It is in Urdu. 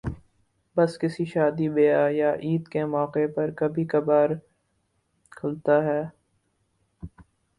بس کسی شادی بیاہ یا عید کے موقع پر کبھی کبھارکھلتا ہے ۔